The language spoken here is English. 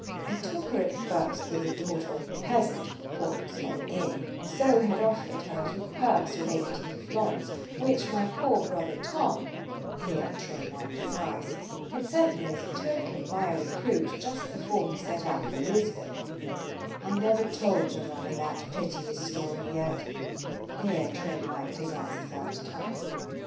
I took her at first for the daughter of the peasant (for it was no inn)—so had offer'd her a little purse with eighteen florins, which my poor brother Tom (here Trim wip'd his eyes) had sent me as a token, by a recruit, just before he set out for Lisbon—— ——I never told your honour that piteous story yet——here Trim wiped his eyes a third time.